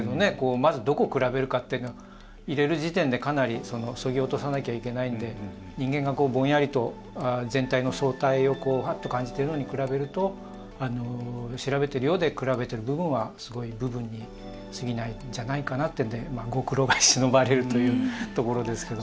まず、どこを比べるかというのは入れる時点でかなりそぎ落とさなきゃいけないので人間がぼんやりと全体の総体を感じているのに比べると調べているようで比べている部分はすごい部分に過ぎないんじゃないかなというのでご苦労がしのばれるというところですけれども。